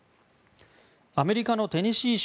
アメリカのテネシー州